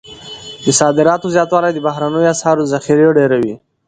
د صادراتو زیاتوالی د بهرنیو اسعارو ذخیرې ډیروي.